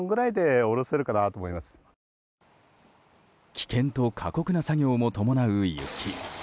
危険と、過酷な作業も伴う雪。